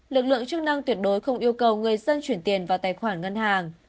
lực lượng chức năng tuyệt đối không yêu cầu người dân chuyển tiền vào tài khoản ngân hàng